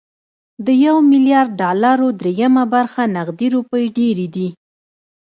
د يو ميليارد ډالرو درېيمه برخه نغدې روپۍ ډېرې دي.